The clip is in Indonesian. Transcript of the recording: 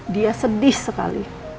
dia sedih sekali